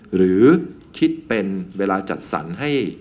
หรือคิดเป็นเวลาจัดสรรให้